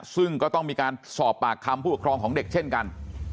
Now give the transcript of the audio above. ซึ่งก็ต้องมีการสอบปากคำผู้ปกครองของเด็กเช่นกัน